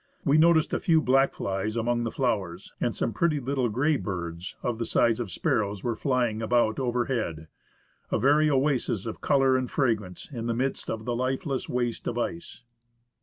We noticed 106 SEWARD GLACIER, DOME PASS, AND AGASSIZ GLACIER a few black flies among the flowers, and some pretty little grey birds, of the size of sparrows, were flying about overhead, A very oasis of colour and fragrance in the midst of the lifeless waste of ice.